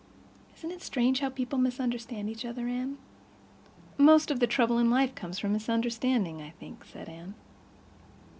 Isn't it strange how people misunderstand each other, Anne?" "Most of the trouble in life comes from misunderstanding, I think," said Anne.